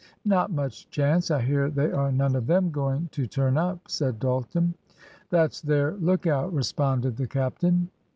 "Not much chance; I hear they are none of them going to turn up," said Dalton. "That's their look out," responded the captain.